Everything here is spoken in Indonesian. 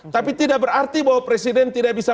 tapi tidak berarti bahwa presiden tidak bisa